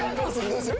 どうする？